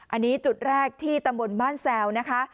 อันนี้จุดแรกที่ตำบลบ้านแซวนะคะ